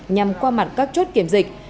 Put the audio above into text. nhằm qua mặt các chốt kiểm dịch